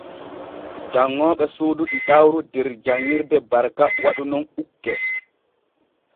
Janŋooɓe suudu ɗiɗawru der janŋirde Barka waɗu nun ukke.